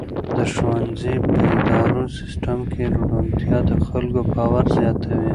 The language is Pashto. د ښوونځي په اداري سیسټم کې روڼتیا د خلکو باور زیاتوي.